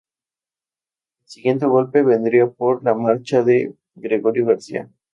El siguiente golpe vendría por la marcha de Gregorio García.